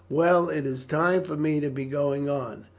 Well, it is time for me to be going on.